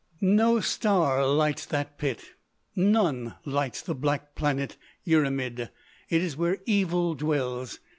No star lights that Pit. None lights the Black Planet, Yrimid. It is where evil dwells.